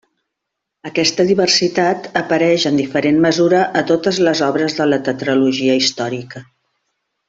Aquesta diversitat apareix en diferent mesura a totes les obres de la tetralogia històrica.